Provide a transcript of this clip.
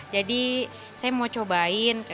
jadi saya mau cobain